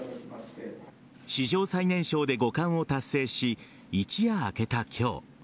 史上最年少で五冠を達成し一夜明けた今日。